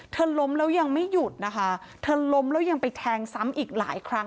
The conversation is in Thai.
ล้มแล้วยังไม่หยุดนะคะเธอล้มแล้วยังไปแทงซ้ำอีกหลายครั้ง